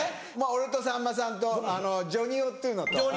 俺とさんまさんとジョニ男っていうのとか。